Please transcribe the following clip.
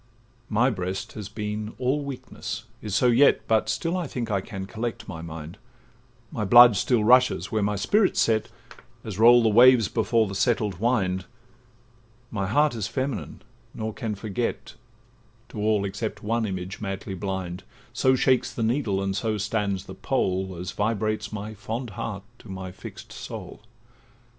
'My breast has been all weakness, is so yet; But still I think I can collect my mind; My blood still rushes where my spirit 's set, As roll the waves before the settled wind; My heart is feminine, nor can forget— To all, except one image, madly blind; So shakes the needle, and so stands the pole, As vibrates my fond heart to my fix'd soul.